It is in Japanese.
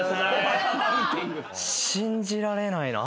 信じられないな。